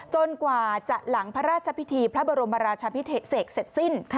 กว่าจะหลังพระราชพิธีพระบรมราชาพิเศษเสร็จสิ้น